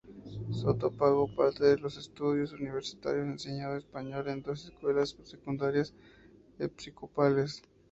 Soto pagó parte de sus estudios universitarios enseñando español en dos escuelas secundarias episcopales.